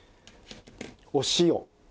お塩。